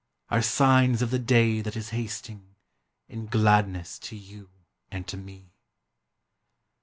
Are signs of the day that is hasting In gladness to you and to me.